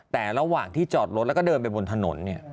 แต่ระหว่างที่จอดรถแล้วก็เดินไปบนถนนเนี่ย